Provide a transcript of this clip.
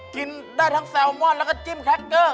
กินได้ทั้งแซลมอนแล้วก็จิ้มแคคเกอร์